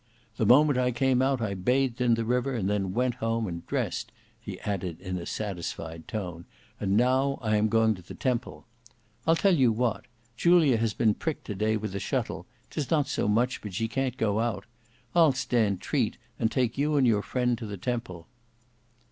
The moment I came out I bathed in the river, and then went home and dressed," he added in a satisfied tone; "and now I am going to the Temple. I'll tell you what, Julia has been pricked to day with a shuttle, 'tis not much, but she can't go out; I'll stand treat, and take you and your friend to the Temple."